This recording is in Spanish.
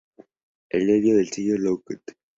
El dueño del sello Lookout!